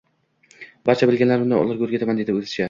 Barcha bilganlarimni ularga oʻrgataman, dedi oʻzicha